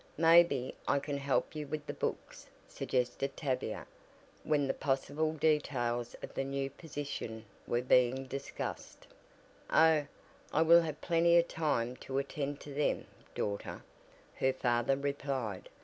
"Maybe I can help you with the books," suggested Tavia, when the possible details of the new position were being discussed. "Oh, I will have plenty of time to attend to them, daughter," her father replied.